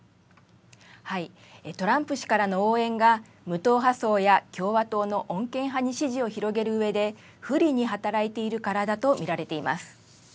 トランプ氏からの応援が、無党派層や共和党の穏健派に支持を広げるうえで、不利に働いているからだと見られています。